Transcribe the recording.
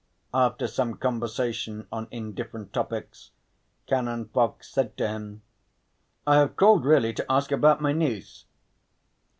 After some conversation on indifferent topics Canon Fox said to him: "I have called really to ask about my niece."